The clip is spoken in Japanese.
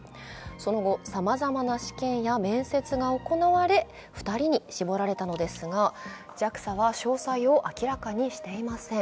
その後、さまざまな試験や面接が行われ２人に絞られたのですが、ＪＡＸＡは詳細を明らかにしていません。